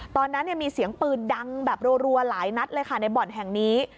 ตอนนั้นมีเสียงปืนดังแบบรัวหลายนัดเลยค่ะในบ่อนแห่งนี้